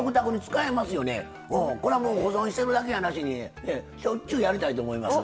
これはもう保存してるだけやなしにしょっちゅうやりたいと思います。